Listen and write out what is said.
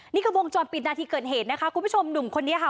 นี่คือวงจรปิดนาทีเกิดเหตุนะคะคุณผู้ชมหนุ่มคนนี้ค่ะ